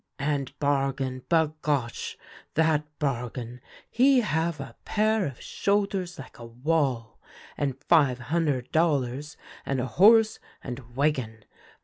And Bargon, bagosh ! that Bargon, he have a pair of shoulders like a wall, and five hunder' dollars and a horse and wagon.